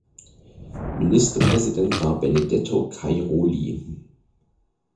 Ministerpräsident war Benedetto Cairoli.